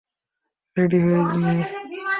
Ready হয়ে নে।